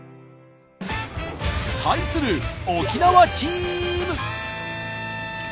対する沖縄チーム！